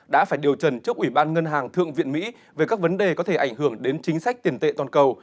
đã phải điều trần trước ủy ban ngân hàng thượng viện mỹ về các vấn đề có thể ảnh hưởng đến chính sách tiền tệ toàn cầu